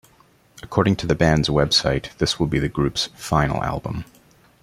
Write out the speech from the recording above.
According to the band's website, this will be the group's final album.